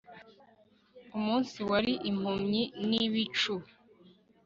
Umunsi wari impumyi nibicu